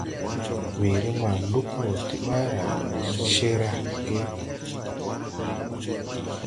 Weere ma lug wo ti ɓaara cee ra ge.